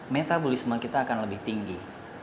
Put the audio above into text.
metabolisme kita akan lebih tinggi